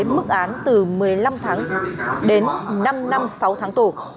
mức án từ một mươi năm tháng đến năm năm sáu tháng tù